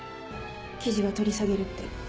「記事は取り下げる」って。